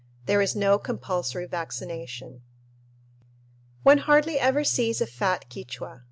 There is no compulsory vaccination. One hardly ever sees a fat Quichua.